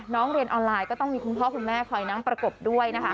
เรียนออนไลน์ก็ต้องมีคุณพ่อคุณแม่คอยนั่งประกบด้วยนะคะ